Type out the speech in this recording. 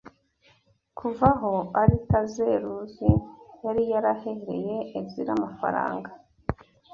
kuva aho Aritazeruzi yari yarahereye Ezira amafaranga